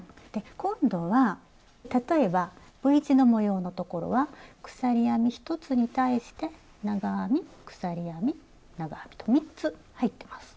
今度は例えばＶ字の模様のところは鎖編み１つに対して長編み鎖編み長編みと３つ入ってます。